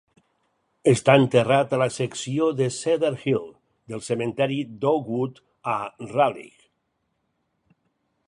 Està enterrat a la secció de Cedar Hill del cementiri d'Oakwood, a Raleigh.